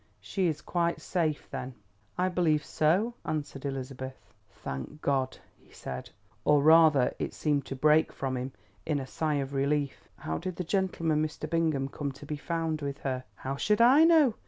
"She is quite safe, then?" "I believe so," answered Elizabeth. "Thank God!" he said, or rather it seemed to break from him in a sigh of relief. "How did the gentleman, Mr. Bingham, come to be found with her?" "How should I know?"